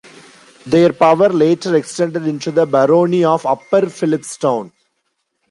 Their power later extended into the barony of Upper Phillipstown.